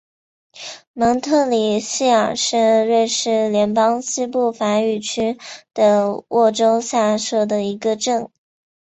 蒙特里谢尔是瑞士联邦西部法语区的沃州下设的一个镇。